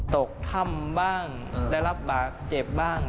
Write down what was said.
ตกถ้ำบ้างได้รับบาดเจ็บบ้าง